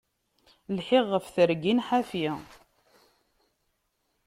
Lḥiɣ ɣef tirgin ḥafi.